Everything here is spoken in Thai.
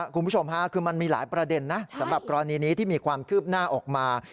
คุณผู้ชมค่ะคือมันมีหลายประเด็นนะสำหรับกรณีนี้ที่มีความคืบหน้าออกมา